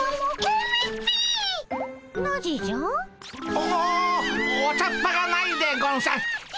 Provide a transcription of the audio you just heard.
おお茶っ葉がないでゴンス。